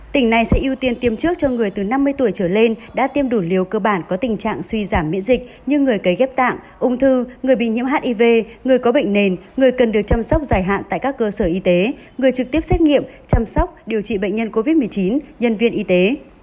tỉnh này sẽ ưu tiên tiêm trước cho người từ năm mươi tuổi trở lên đã tiêm đủ liều cơ bản có tình trạng suy giảm miễn dịch như người cấy ghép tạng ung thư người bị nhiễm hiv người có bệnh nền người cần được chăm sóc dài hạn tại các cơ sở y tế người trực tiếp xét nghiệm chăm sóc điều trị bệnh nhân covid một mươi chín nhân viên y tế